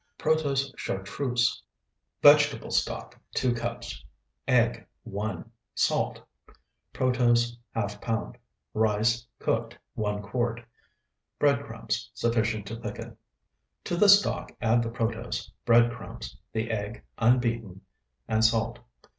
PROTOSE CHARTREUSE Vegetable stock, 2 cups. Egg, 1. Salt. Protose, ½ pound. Rice, cooked, 1 quart. Bread crumbs, sufficient to thicken. To the stock add the protose, bread crumbs, the egg unbeaten, and salt.